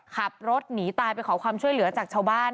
ขับรถหนีตายไปขอความช่วยเหลือจากชาวบ้าน